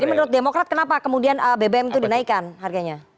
jadi menurut demokrat kenapa kemudian bbm itu dinaikkan harganya